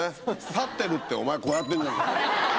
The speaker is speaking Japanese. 立ってるってお前こうやってんじゃねえか。